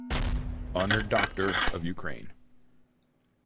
Honored Doctor of Ukraine.